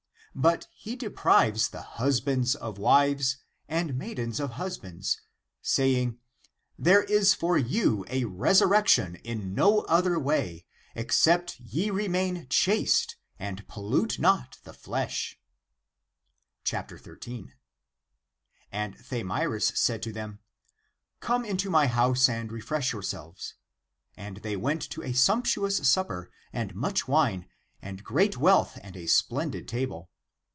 But he deprives the husbands of wives and maidens of husbands, say ing, ' there is for you a resurrection in no other way, except ye remain chaste and pollute not the flesh.' " 13. And Thamyris said to them, " Come into my house and refresh yourselves." And they w^ent to a sumptuous supper, and much wine, and great wealth and a splendid table.